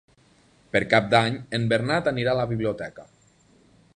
Per Cap d'Any en Bernat anirà a la biblioteca.